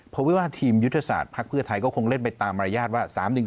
เพราะว่าทีมยุทธศาสตร์ภักดิ์เพื่อไทยก็คงเล่นไปตามมารยาทว่า